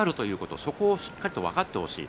そこをしっかりと分かってほしい